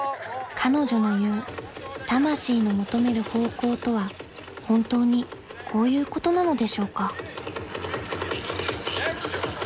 ［彼女の言う魂の求める方向とは本当にこういうことなのでしょうか？］